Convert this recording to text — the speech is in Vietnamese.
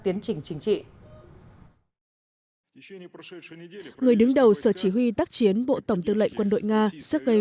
tiến trình chính trị người đứng đầu sở chỉ huy tác chiến bộ tổng tư lệnh quân đội nga sergei